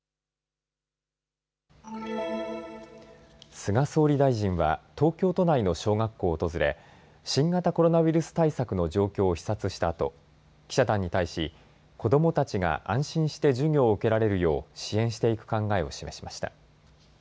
菅総理大臣は東京都内の小学校を訪れ新型コロナウイルス対策の状況を視察したあと記者団に対し子どもたちが安心して授業を受けられるよう支援していく考えを示しました。